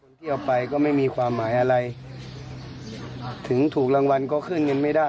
โอ้โหนี่แหละฮะพ่อค้าเป็นเรืองศักดิ์โดนขอนะ